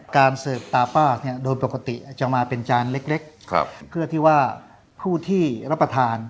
การเสิร์ฟตาป้าเนี่ยโดยปกติจะมาเป็นจานเล็กเพื่อที่ว่าผู้ที่รับประทาน